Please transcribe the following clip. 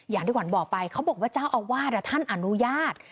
อย่างที่ขวัญบอกไปเขาบอกว่าเจ้าอาวาสท่านอนุญาต